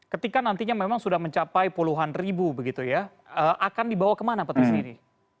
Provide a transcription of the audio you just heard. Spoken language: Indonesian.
ketika nantinya memang sudah mencapai puluhan ribu begitu ya akan dibawa kemana petisi ini